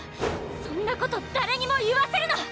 そんなこと誰にも言わせるな！